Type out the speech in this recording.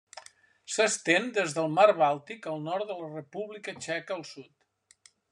S'estén des del Mar Bàltic al nord a la República Txeca al sud.